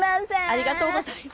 ありがとうございます。